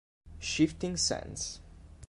Shifting Sands